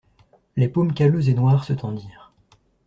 Les paumes calleuses et noires se tendirent.